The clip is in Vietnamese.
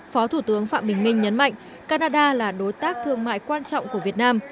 phó thủ tướng phạm bình minh nhấn mạnh canada là đối tác thương mại quan trọng của việt nam